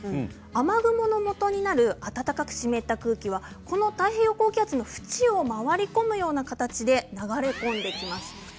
雨雲のもとになる暖かく湿った空気はこの太平洋高気圧の縁を回り込むような形で流れ込んできます。